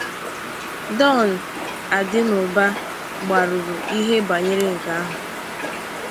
Don Adịnụba gbarụrụ ihu bànyere nke ahụ